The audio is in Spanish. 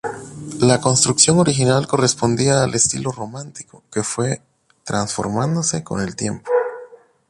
La construcción original correspondía al estilo románico, que fue transformándose con el tiempo.